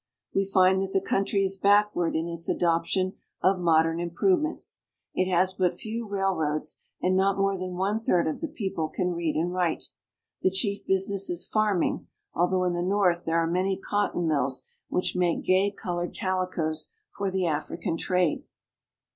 We find that the country is backward in its adoption of modern improvements. It has but few railroads, and not more than one third of the people can read and write. The chief business is farming, although in the north there are many cotton mills which make gay colored calicoes for the African trade.